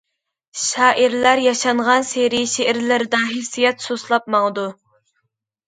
شائىرلار ياشانغانسېرى شېئىرلىرىدا ھېسسىيات سۇسلاپ ماڭىدۇ.